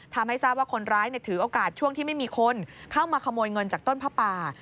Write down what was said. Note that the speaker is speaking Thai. ทำให้ทราบว่าคนร้ายถือโอกาสช่วงที่ไม่มีคนเข้ามาขโมยเงินจากต้นผ้าป่า